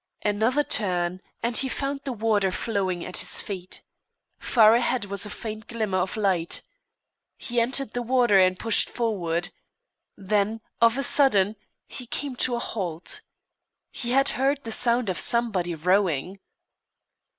Another turn, and he found the water flowing at his feet. Far ahead was a faint glimmer of light. He entered the water and pushed forward. Then, of a sudden, he came to a halt. He had heard the sound of somebody rowing.